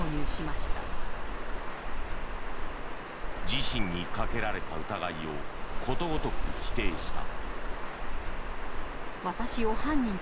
自身にかけられた疑いをことごとく否定した。